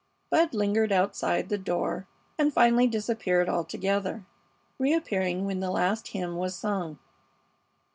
Bud lingered outside the door and finally disappeared altogether, reappearing when the last hymn was sung.